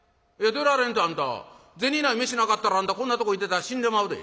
出られんってあんた銭ない飯なかったらあんたこんなとこいてたら死んでまうで」。